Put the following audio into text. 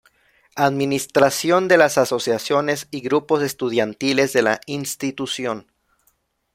Administración de las asociaciones y grupos estudiantiles de la institución.